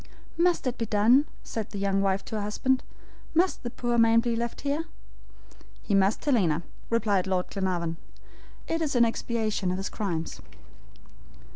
"Must it be done?" said the young wife to her husband. "Must the poor man be left there?" "He must, Helena," replied Lord Glenarvan. "It is in expiation of his crimes."